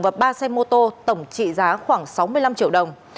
và ba xe mô tô tổng trị giá khoảng sáu mươi năm triệu đồng